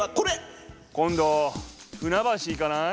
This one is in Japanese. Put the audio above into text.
今度船橋行かない？